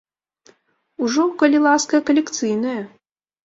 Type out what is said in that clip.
Ужо, калі ласка, калекцыйнае!